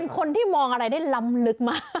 คนที่มองอะไรได้ล้ำลึกมาก